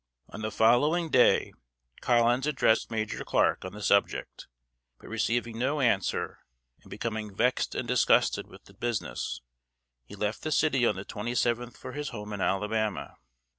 On the following day, Collins addressed Major Clark on the subject; but receiving no answer, and becoming vexed and disgusted with the business, he left the city on the twenty seventh for his home in Alabama.